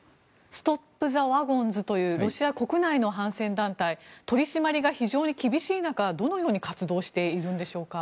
ストップ・ザ・ワゴンズというロシア国内の反戦団体取り締まりが非常に厳しい中どのように活動しているのでしょうか。